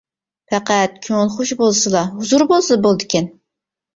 پەقەت كۆڭۈل خۇشى بولسىلا، ھۇزۇر بولسىلا بولىدىكەن.